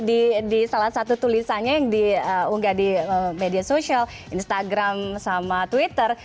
di salah satu tulisannya yang diunggah di media sosial instagram sama twitter